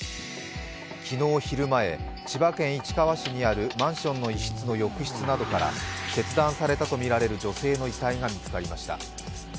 昨日昼前、千葉県市川市にあるマンションの一室の浴室などから、切断されたとみられる女性の遺体が見つかりました。